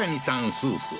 夫婦